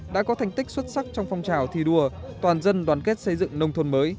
đã có thành tích xuất sắc trong phong trào thi đua toàn dân đoàn kết xây dựng nông thôn mới